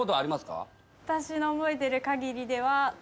私の覚えてるかぎりでは。